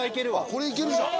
これいけるじゃん。